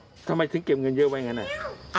เออทำไมถึงเก็บเงินเยอะไว้ไงน่ะ